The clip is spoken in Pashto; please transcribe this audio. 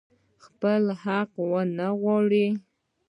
خپل حق ونه غواړي.